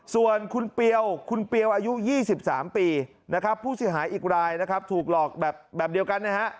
ส่วนคุณเปรียวคุณเปรียวอายุ๒๓ปีนะครับผู้เสียหายอีกรายนะครับถูกหลอกแบบเดียวกันนะฮะ